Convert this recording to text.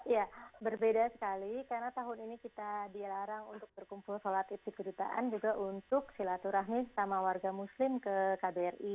ya berbeda sekali karena tahun ini kita dilarang untuk berkumpul sholat id di kedutaan juga untuk silaturahmi sama warga muslim ke kbri